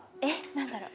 何だろう？